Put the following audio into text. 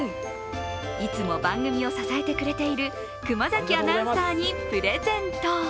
いつも番組を支えてくれている熊崎アナウンサーにプレゼント。